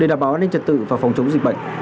để đảm bảo an ninh trật tự và phòng chống dịch bệnh